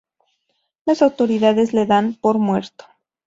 Las autoridades le dan por muerto.